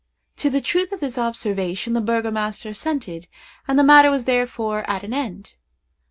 To the truth of this observation the burgomaster assented, and the matter was therefore at an end.